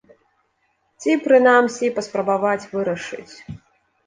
Ці, прынамсі, паспрабаваць вырашыць.